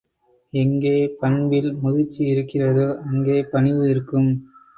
எங்கே பண்பில் முதிர்ச்சியிருக்கிறதோ அங்கே பணிவு இருக்கும்.